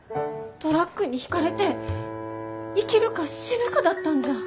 トラックにひかれて生きるか死ぬかだったんじゃ。